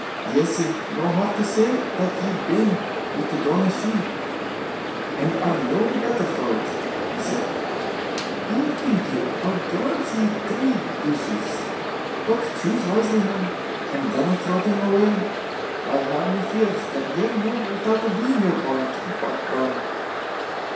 "Yese no have to say that ye've been with the Daoiné Shi and are no the better for it," he said. "I'm thinking I'll grant ye three wushes. But choose wisely, man, and dinna throw them away. I hae my fears that ye're no without a bee in your bonnet, Brockburn."